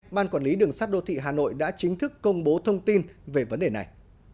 ban quản lý đường sắt đô thị hà nội đã chính thức công bố thông tin về vấn đề này